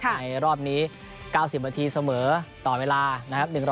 ในรอบนี้๙๐นาทีเสมอต่อเวลานะครับ